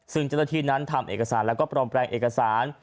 ซึ่งเจ้าหน้าที่นั้นทำเอกสารแล้วก็ปลอมแปลงเอกสาร